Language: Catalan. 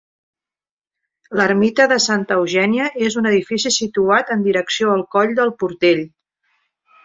L'ermita de Santa Eugènia és un edifici situat en direcció al coll del Portell.